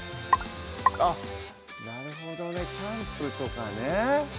あっなるほどねキャンプとかね